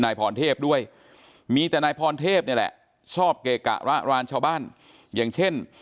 นายพรเทพด้วยมีแต่นายพรเทพนี่แหละชอบเกะกะระรานชาวบ้านอย่างเช่น